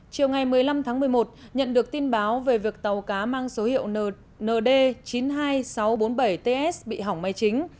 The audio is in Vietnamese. chiều ngày một mươi năm tháng một mươi một nhận được tin báo về việc tàu cá mang số hiệu nd chín mươi hai nghìn sáu trăm bốn mươi bảy ts bị hỏng máy chính